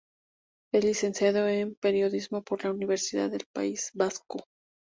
Es licenciado en Periodismo por la Universidad del País Vasco.